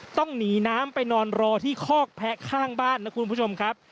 ต้องหนีน้ำไปนอนรอที่คอกแพะข้างบ้านนะคุณผู้ชมครับ